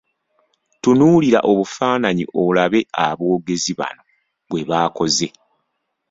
Tunuulira obufaananyi olabe aboogezi bano bwe bakoze.